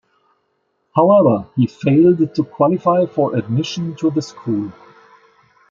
However, he failed to qualify for admission to the school.